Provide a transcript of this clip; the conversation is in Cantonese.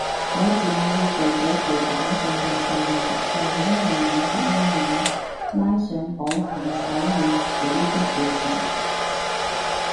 有時我會做咗被揀中嘅細路就係因為我識英文，拉上補下手語屎都照殺